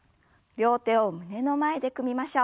両手を胸の前で組みましょう。